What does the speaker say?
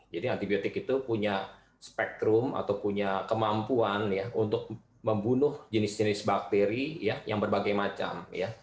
jadi antibiotik itu punya spektrum atau punya kemampuan untuk membunuh jenis jenis bakteri yang berbagai macam